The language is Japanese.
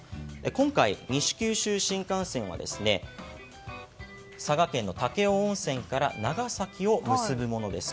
今回、西九州新幹線は佐賀県の武雄温泉から長崎を結ぶものです。